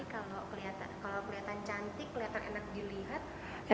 kalau kelihatan cantik kelihatan enak dilihat